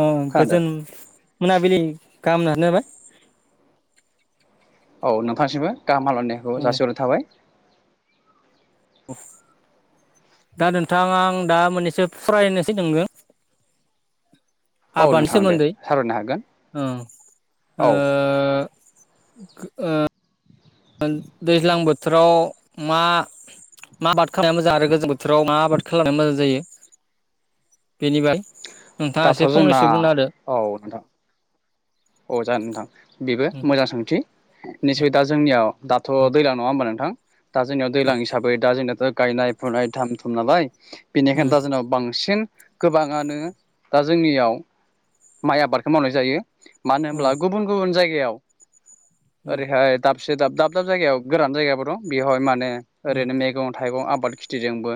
अ खोनादों गोजोन मोनाबिलिनि गाहाम [unintelligible] औ नोंथांनिसिमबो गाहाम हामलायनायखौ जासि हरनाय थाबाय। दा नोंथां आं दा मोननैसो [unintelligible] नोंनो औ आबादनि नोंथां दे सोमोन्दै सावरायनो हागोन औ ओ औ ओ दैज्लां बोथोराव मा मा आबाद खालामनाया मोजां आरो गोजां बोथोराव मा आबाद खालामनाया मोजां जायो। बेनिफाय दाथ' जोंना औ नोंथां। अ जागोन नोंथां बेबो उम मोजां सोंथि। निसय दा जोंनियाव दाथ' दैज्लां नङा होमबा नोंथां। दा जोंनियाव दैलां हिसाबै दा जोंनाथ' गायनाय फुनाय थाम थुम नालाय। बेनिखायनो उम दा जोंनाव बांसिन। गोबाङानो दा जोंनियाव माइ आबादखौ मावनाय जायो। मानो होनब्ला गुबुन गुबुन जाय याव। ओरैहाय से दाब दाब दाब जायगायाव गोरान जायगाबो दं बेवहाय माने ओरैनो मैगं थाइगं आब बाद खिथिजोंबो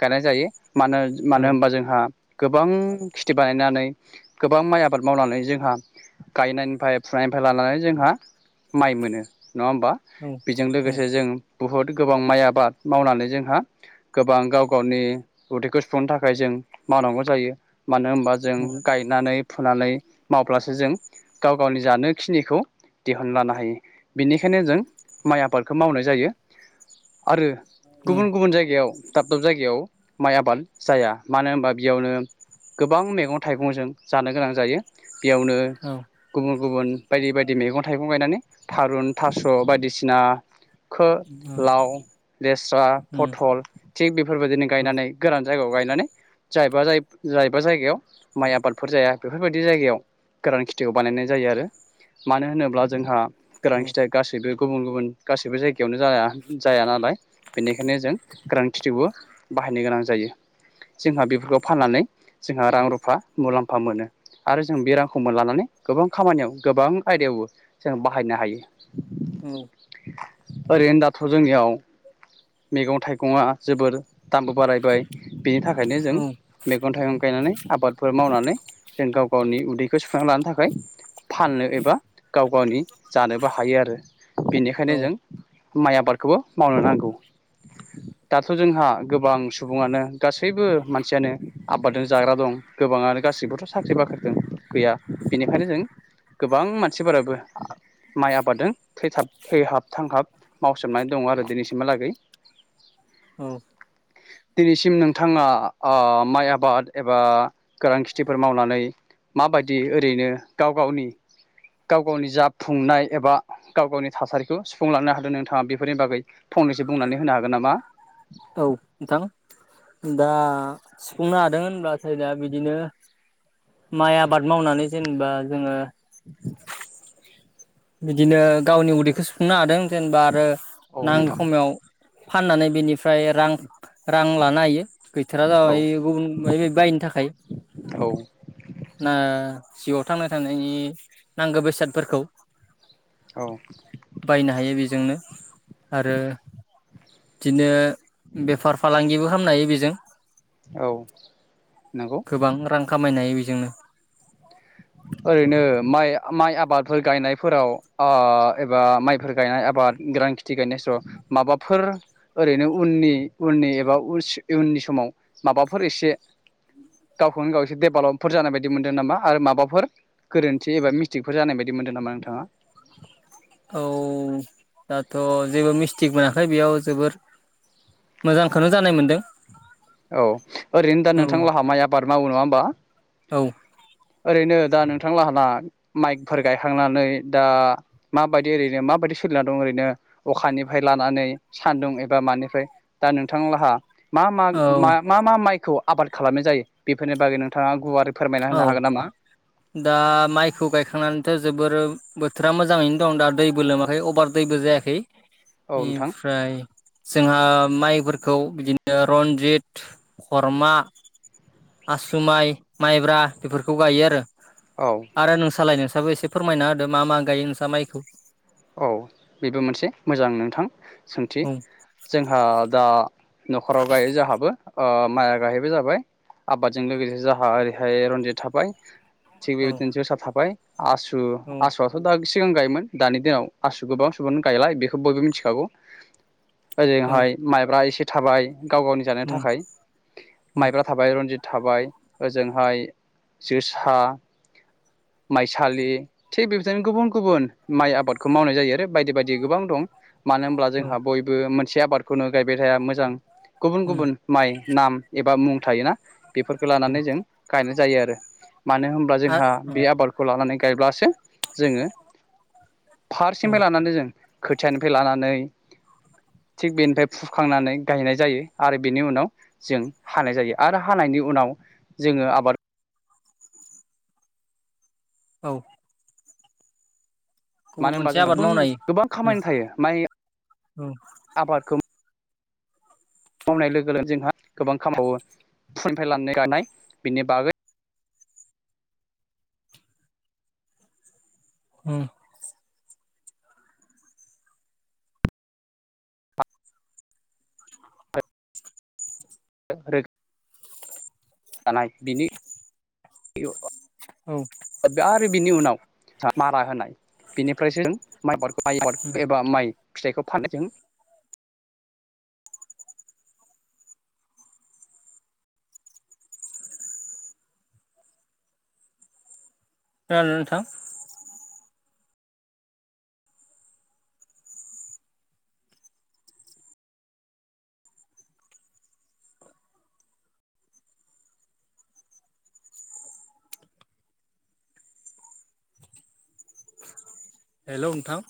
गायनाय जायो। मानो औ मानो होनबा जोंहा गोबां खेथि बानायनानै गोबां माइ आबाद मावनानै जोंहा गायनायनिफ्राय फुनायनिफ्राय लानानै जोंहा माइ मोनो। नङा होमबा उम बेजों उम लोगोसे जों बहुत गोबां माइ आबाद मावनानै जोंहा गोबां गाव गावनि उदैखौ सुफुंनो थाखाय जों मावनांगौ जायो। मानो होनबा जों गायनानै फुनानै मावब्लासो जों गाव गावनि जानोखिनिखौ दिहुनना लानो हायो बेनिखायनो जों माइ आबादखौ मावनाय जायो। आरो गुबुन गुबुन जायगायाव दाब दाब जायगायाव। माइ आबाद जाया मानो होनबा बेयावनो गोबां मैगं थाइगंजों जानो गोनां जायो। बेयावनो औ गुबुन गुबुन बायदि बायदि मैगं थाइगं गायनानै थारुन थास' बायदिसिना खो लाव लेस्रा उम फथल थिग बेफोरबायदिनो औ गायनानै गोरान जायगायाव गायनानै जायबा जाय जायबा जायगायाव माइ आबादफोर जाया बेफोरबायदि जायगायाव गोरान खे थिखौ बानायनाय जायो आरो मानो होनोब्ला जोंहा औ गोरान खिथिया गासैबो गुबुन गुबुन गासैबो जायगायावनो जाया जाया नालाय बेनिखायनो जों गोरान खिथिबो बाहायनो गोनां जायो जोंहा बेफोरखौ फाननानै जोंहा रां रुफा मुलाम्फा मोनो आरो जों बे रांखौ मोनलानानै। गोबां खामानियाव गोबां आयदायावबो जों बाहायनो हायो। औ। ओरैनो दाथ' जोंनियाव मैगं थाइगङा जोबोर दामबो बारायबाय बिनि थाखायनो जों उम औ मैगं थाइगं गायनानै आबादफोर मावनानै जों गाव गावनि उदैखौ सुफांना लानो थाखा खाय फाननो एबा गाव गावनि जानोबो हायो आरो औ बेनिखायनो औ जों माइ आबादखौबो मावनो नांगौ दाथ' जोंहा गोबां सुबुङानो गासैबो मानसियानो आबादजों जाग्रा दं गोबाङानो गासैबोथ' साख्रि बाख्रिजों गैया। बेनिखायनो जों गोबां मानसिफोराबो माइ आबादजों थैथाब थैहाब थांहाब मावसोमनानै दङ आरो दिनैसिमहालागै। औ। दिनैसिम नोंथाङा ओ माइ आबाद एबा गोरान खेथिफोर मावनानै माबायदि ओ ओरैनो गाव गावनि गाव गावनि जाफुंनाय एबा गाव गावनि थासारिखौ सुफुंलांनो हादों नोंथाङा बेफोरनि बागै फंनैसो बुंनानै होनो हागोन नामा? औ नोंथां दा सुफुंनो हादों होनब्लाथाय दा बिदिनो माइ आबाद मावनानै जेनेबा जोङो बिदिनो गावनि उदैखौ सुफुंनो हादों जेनेबा आरो औ नांगौ नोंथां खमायाव फाननानै बेनिफ्राय रां रां लानो हायो‌। गैथारा औ जाबाय गुबुन मायबा मायबि बायनो थाखाय औ ना जिउआव थांना थानायनि नांगो बेसादफोरखौ औ। जोंनो आरो बिदिनो बेफार फालांगिबो खामनो हायो बेजों औ नंगौ। जोंनो। ओरैनो माइ माइ आबादफोर गायनायफोराव ओ एबा माइफोर गायनाय आबाद गोरान खेथि गायनाय समाव माबाफोर ओरैनो उननि उननि एबा उज इउननि समाव माबाफोर एसे गावखौनो गाव एसे डेभेलपफोर जानाय बायदि मोनदों नामा आरो माबाफोर गोरोन्थि एबा मिस्टेकफोर जानाय बायदि मोनदों नामा नोंथाङा? औ दाथ' जेबो मिस्टेक मोनाखै बेयाव जोबोर मोजांखौनो जानाय मोनदों। औ ओरैनो दा औ नोंथां लाहा माइ आबाद मावो नङा होमबा औ ओरैनो दा नोंथांलाहा माइकफोर गायखांनानै दा माबायदि ओरैनो माबायदि सोलिनानै दं ओरैनो अखानिफ्राय लानानै सान्दुं एबा मानिफ्राय दा नोंथां लाहा मा औ मा-मा-मा माइखौ आबाद खालामनाय जायो बेफोरनि बागै नोंथाङा गुवार औ दा माइखौ गायखांनानैथ' जोबोर बोथोरा मोजाङैनो दं दा दैबो लोमाखै अभार दैबो जायाखै। औ नोंथां बेनिफ्राय जोंहा माइ फोरखौ बिदिनो रनजित खरमा आसु माइ माइब्रा बेफोरखौ गायो आरो औ आरो नोंसालाय नोंस साबो एसे फोरमायना होदो मा मा गायो नोंसा माइखौ? औ बेबो मोनसे मोजां नोंथां। सोंथि औ जोंहा दा न'खराव गायो जाहाबो ओ माइआ गाहैबो जाबाय आबादजों लोगोसे जाहा ओरैहाय रन्जित थाबाय थिग औ बेबादि तिनसेयाव साफाबाय आसु औ आसुआथ' दा सिगां गायोमोन दानि दिनाव आसु गोबां सुबुंआनो गायला बेखौ बयबो मिथिखागौ औ ओजोंहाय माइब्रा एसे थाबाय गाव गावनि जानो औ थाखाय औ माइब्रा थाबाय रनजित थाबाय ओजोंहाय जोसा माइसालि थिग बेबदिनो गुबुन गुबुन माइ आबाद खौ मावनाय जायो आरो बायदि बायदि गोबां दं मानो होमब्ला औ जोंहा बयबो मोन से आबादखौनो गायबाय थाया मोजां गुबुन उम गुबुन माइ नाम एबा मुं थायोना? बेफोरखो लानानै जों गायनाय जायो आरो मानो होमबा जोंहा आरो औ बे आबादखौ लानानै गायब्लासो जोङो औ फारसेनिफ्राय लानानै जों खोथियानिफ्राय लानानै थिग बेनिफ्राय फुखांनानै गायनाय जायो आरो बेनि उनाव जों हानाय जायो आरो हानायनि उनाव जोङो आबाद औ गुबुन मानो होनबा मोनसे जों आबाद गुबुन मावनो हायो गोबां औ खामानि थायो माइ औ आबादखौ मावनाय लोगो लोगो जोंहा गोबां खाम मावो ओमफ्राय लानाय गानाय बेनि बागै उम [unintelligible] थानाय बिनि [unintelligible] औ रो बिनि उनाव आ मारा होनाय बिनिफ्रायसो जों माइ बाद माइ आबाद एबा माइ फिथाइखौ फाननायजों खोनादोंना नोंथां? हेल' नोंथां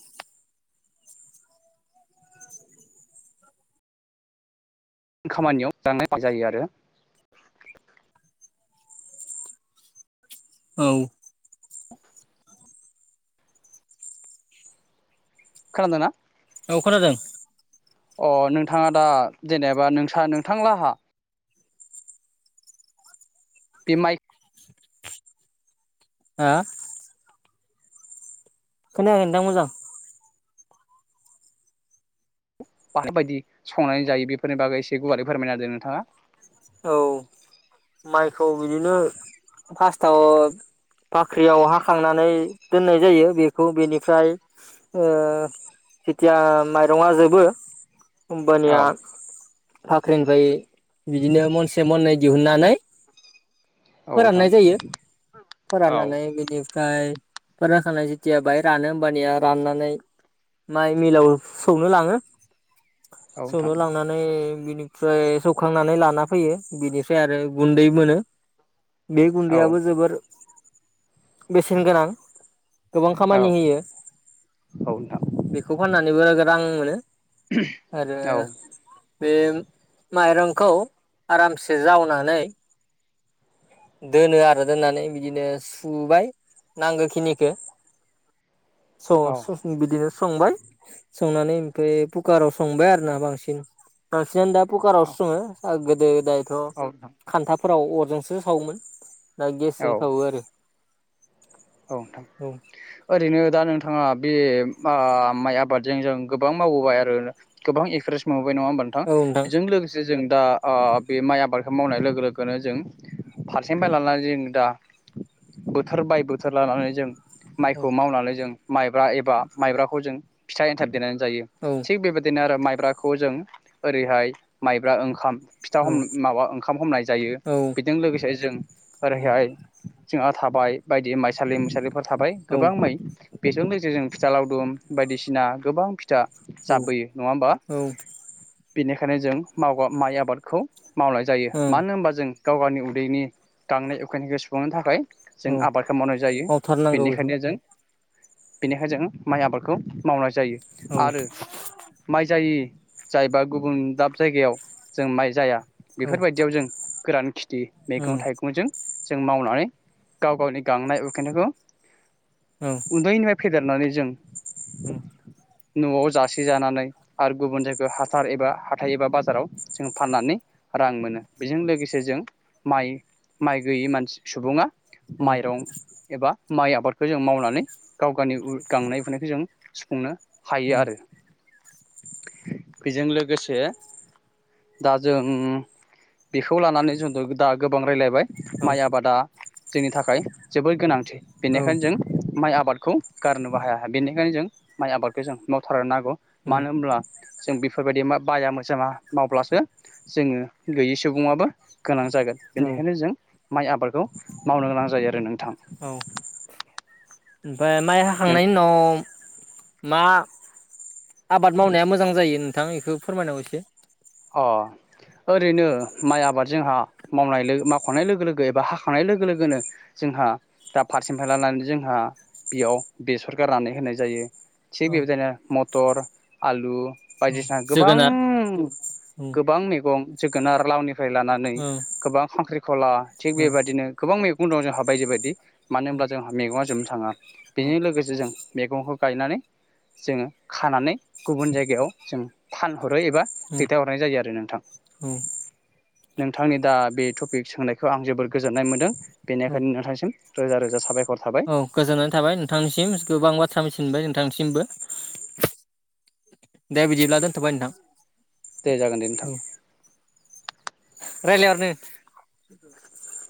खामानियाव जानाय जायो आरो औ खोनादों ना औ खोनादों अ नोंथाङा दा जेनेबा नोंसा नोंथां लाहा बेमाइ आ खोनाया ओंथां मोजां। बाहायबायदि संनानै जायो बेफोरनि बागै एसे गुवारै फोरमायनाहोदों नोंथाङा। औ माइखौ बिदिनो फासटाव फाख्रियाव हाखांनानै दोननाय जायो बेखौ बेनिफ्राय ओ जेथिया माइरङा जोबो होमबानिया औ फाख्रिन बाय बिदिनो मनसे मनै दिहुननानै औ नोंथां फोराननाय जायो फोराननानै औ बेनि फाय फोरा खानाय जेथिया बाहाय रानो होमबानिया राननानै माइ मिलाव सौनो लाङो औ नोंथां सौनो लांनानै बिनि फ्राय सौखांनानै लाना फैयो बिनिफ्राय आरो गुन्दै मोनो बे औ गुन्दैयाबो जोबोर बेसेन गोनां गोबां खामानि औ होयो औ नोंथां बेखौ फाननानैबो रां मोनो आरो औ। बे माइरंखौ आरामसे जावनानै दोनो आरो दोननानै बिदिनो सुबाय नांगो खिनिखो औ स-ससमि बिदिनो संबाय संनानै ओमफ्राय फुकाराव संबाय आरोना बांसिन बांसिनानो दा फुकारावसो सङो आ गोदो दाय द नोंथां खान्थाब फोराव अरजास ओ सावोमोन दा गेसजों औ सावो आरो। औ नोंथां औ ओरैनो दा नोंथाङा बे मा माइ आबादजें जों गोबां मावबोबाय आरो गोबां एक्सप्रेस मो नंया होमबा नोंथां बेजों लोगोसे जों दा आ बे माइ आबादखौ मावनाय लोगो लोगोनो जों फारसें बाय लानानै जों दा बोथोर बाय बो चोर लानानै जों औ माइखौ मावनानै जों माइब्रा एबा माइब्राखौ जों फिथा एन्थार देनोन जायो औ थिख बेबायदिनो आरोब माइब्राखौ जों ओरैहाय माइब्रा ओंखाम फिथा हम माबा ओंखाम हमनाय जायो औ बेजों लोगोसे जों ओरैहाय जोंहा थाबाय बायदि माइ मलिसालिफोर थाबाय गोबां माइ बेजों लोगोसे जों फिथा लावदुम बायदिसिना गोबां जा जाबबोयो नङा होमबा औ बेनिखायनो जों माव माइ आबादखौ मावनाय जायो ओं मानो होनबा जों गाव गावनि उदैनि गांनाय उखैनायखौ सुफुंनो थाखाय जों आबादखौ मावनाय जायो। मावथार नांगौ बेखौ बेनिखायनो जों बेनिखायनो जों माइ आबादखौ मावनाय जायो औ आरो माइ जायै जायबा गुबुन दाब जायगायाव जों माइ जाया औ बेफोरबायदियाव जों गोरानखिथि मैगं ओं थाइगंजों जों मावनानै गाव गावनि गांनाय उ खैनायखौ उदनो मफ फेदेरनानै जों उम नआव जासेजानानै आरो गुबुन जायगायाव हासार एबा हाथाइ एबा बाजाराव जों फाननानै रां मोनो बेजों लोगोसे जों माइ माइ गैयै मानसि सुबुङा औ माइरं माइ आबादखौ जों मावनानै गाव गावनि गांनाय उनायखौ जों सुफुंनो हायो आरो बेजों लोगोसे दा जों बेखौ लानानै जोंथ दा गोबां राय्लायबाय औ माइ आबादा जोंनि थाखाय जोबोर गोनां। बेनिखायनो जों माइ आबाद खौ गारनोबो हाया बेनिखायनो जों माइ आबादखौ जों मावथारनो नांगौ। औ मानो होनोमब्ला जों बेफोरबायदि म बाया मोजोमा मावब्लासो जोङो गैयि सुबुंङाबो गोनां जागोन। औ बेनि खायनो जों माइ आबादखौ मावनो गोनां जायो आरो नोंथां। उम ओमफ्राय माइ नोंथ हाखांनायनि उनाव मा आबाद मावनाया मोजां जायो नोंथां एखौ फोरमायनांगौ एसे। अ ओरैनो माइ आबाद जोंहा मावनाय मावखांनाय लोगो लोगो एबा हाखांनाय लोगो लोगोनो जोंहा दा फारसेनिफ्राय लानानै जोंहा बेयाव बेसर गारनानै होनाय जायो, थिग औ बेबायदिनो म टर।, आलु, औ बायदिसिना गोबां जोगोनार उम गोबां मै गं जोगोनार आरो लावनि लानानै उम गोबां खांख्रिखला थिग उम बेबदिनो गोबां मै उनाव जों हा बायदि बायदि मानो होनब्ला जोंहा मेगंआ जोबनो था थाङा। उम बेजों लोगोसे जों मैगंखौ गायनानै जोङो खानानै गुबुन जायगायाव जों फानहरो एबा उम दैथायहरनाय जायो आरो नोंथां। उम नोंथांनि दा बे टपिक सोंनायखौ आं जोबोर गोजोननाय मोनदों। उम बेनिखायनो नोंथांसिम रोजा रोजा साबायखर थाबाय औ गोजोननाय थाबाय नोंथांनिसिम गोबां बार सामिसिनबाय नोंथांसिमबो, दे बिदिब्ला दोनथ'बाय नोंथां। दे जागोन दे नोंथां। रायलायहरदो